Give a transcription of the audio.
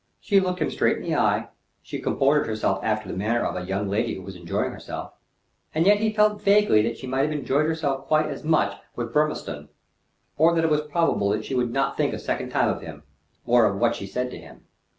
She looked him straight in the eyes, she comported herself after the manner of a young lady who was enjoying herself, and yet he felt vaguely that she might have enjoyed herself quite as much with Burmistone, and that it was probable that she would not think a second time of him, or of what she said to him.